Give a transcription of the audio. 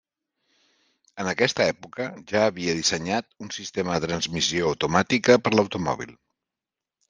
En aquesta època ja havia dissenyat un sistema de transmissió automàtica per automòbil.